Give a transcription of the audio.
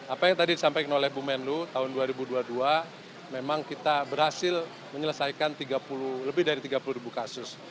apa yang tadi disampaikan oleh bu menlu tahun dua ribu dua puluh dua memang kita berhasil menyelesaikan lebih dari tiga puluh ribu kasus